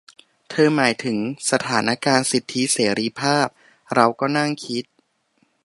เธอหมายถึงสถานการณ์สิทธิเสรีภาพ เราก็นั่งคิด